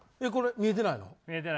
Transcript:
見えてないよな。